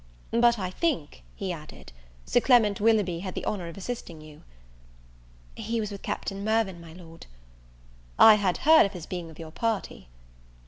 "But I think," he added, "Sir Clement Willoughby had the honour of assisting you?" "He was with Captain Mirvan, my Lord." "I had heard of his being of your party."